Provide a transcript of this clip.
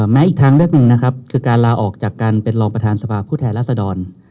อีกทางเลือกหนึ่งนะครับคือการลาออกจากการเป็นรองประธานสภาพผู้แทนรัศดร